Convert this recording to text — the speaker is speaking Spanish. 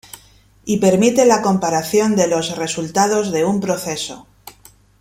Y permite la comparación de los resultados de un proceso.